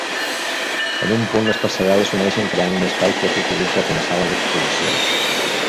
En un punt les passarel·les s'uneixen creant un espai que s'utilitza com a sala d'exposicions.